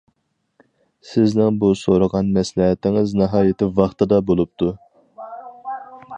سىزنىڭ بۇ سورىغان مەسلىھەتىڭىز ناھايىتى ۋاقتىدا بولۇپتۇ.